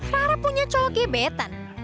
rara punya cowok gebetan